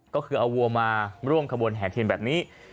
ก็คือเอาวัวมาร่วมขบวนแห่เทียนแบบนี้